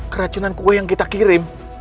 keracunan kue yang kita kirim